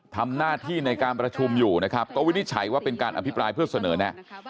ทำหน้าที่ในการประชุมอยู่นะครับก็วินิจฉัยว่าเป็นการอภิปรายเพื่อเสนอแน่